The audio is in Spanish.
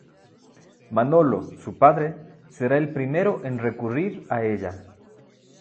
Manolo, su padre, será el primero en recurrir a ella.